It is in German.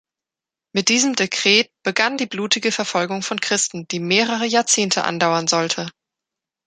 Mit diesem Dekret begann die blutige Verfolgung von Christen, die mehrere Jahrzehnte andauern sollte.